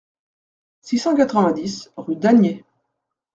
six cent quatre-vingt-dix rue d'Anhiers